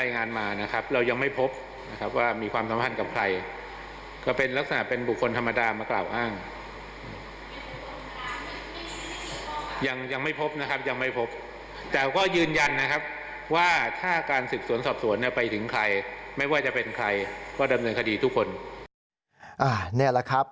นี่แหละครับ